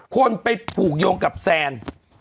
คนไปผูกโยงกับแซน